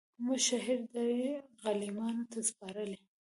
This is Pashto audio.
موږ شهپر دی غلیمانو ته سپارلی